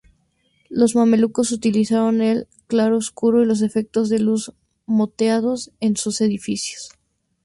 Los mamelucos utilizaron el claroscuro y los efectos de luz moteados en sus edificios.